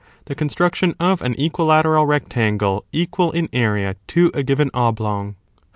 The construction of an equilateral rectangle equal in area to a given oblong.